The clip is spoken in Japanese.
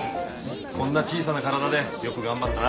こんな小さな体でよく頑張ったな。